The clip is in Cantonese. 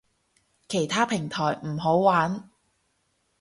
其他平台唔好玩